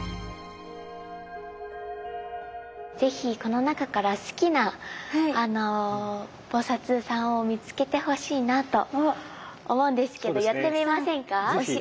是非この中から好きな菩さんを見つけてほしいなと思うんですけどやってみませんか？